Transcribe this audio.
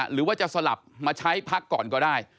หรือว่าจะสลับมาใช้พักก่อนก็ได้